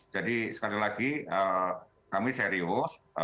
jadi sekali lagi kami serius